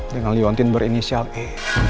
dengan liontin berinisial e